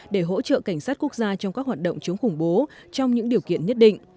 để hỗ trợ cảnh sát quốc gia trong các hoạt động chống khủng bố trong những điều kiện nhất định